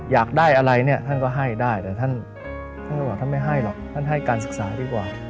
อยากได้อะไรเนี่ยท่านก็ให้ได้แต่ท่านท่านก็บอกท่านไม่ให้หรอกท่านให้การศึกษาดีกว่า